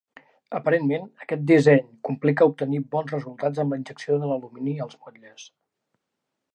Aparentment, aquest disseny complica obtenir bons resultats amb la injecció de l'alumini als motlles.